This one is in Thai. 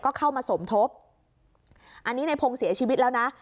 ก็เข้ามาสมทบอันนี้ในพงศ์เสียชีวิตแล้วนะ